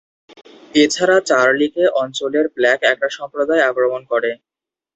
এছাড়া চার্লি কে অঞ্চলের ব্ল্যাক একটা সম্প্রদায় আক্রমণ করে।